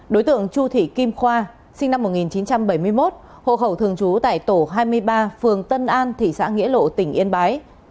đối tượng chu thị kim khoa sinh năm một nghìn chín trăm bảy mươi một hộ khẩu thường trú tại tổ hai mươi ba phường tân an thị xã nghĩa lộ tỉnh yên bái